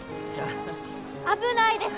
危ないです！